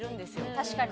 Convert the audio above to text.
確かに。